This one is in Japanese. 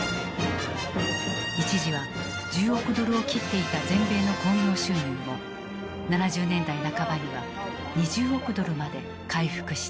一時は１０億ドルを切っていた全米の興行収入も７０年代半ばには２０億ドルまで回復した。